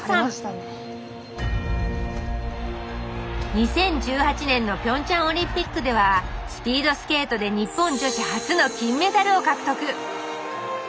２０１８年のピョンチャンオリンピックではスピードスケートで日本女子初の金メダルを獲得。